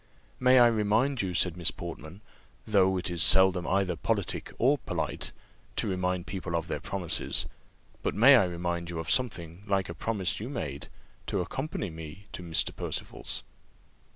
"May I remind you," said Miss Portman, "though it is seldom either politic or polite, to remind people of their promises, but may I remind you of something like a promise you made, to accompany me to Mr. Percival's?"